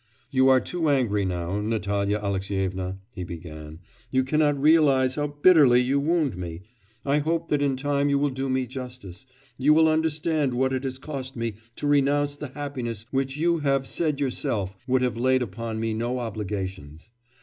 'You are too angry now, Natalya Alexyevna,' he began; 'you cannot realise how bitterly you wound me. I hope that in time you will do me justice; you will understand what it has cost me to renounce the happiness which you have said yourself would have laid upon me no obligations.